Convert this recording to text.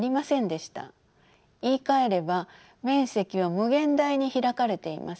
言いかえれば面積は無限大に開かれています。